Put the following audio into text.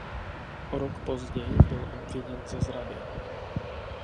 O rok později byl obviněn ze zrady.